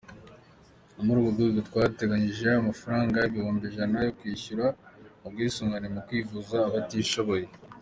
Ni muri urwo rwego twateganyije amafaranga ibihumbi ijana yo kwishyurira ubwisungane mu kwivuza abatishoboye.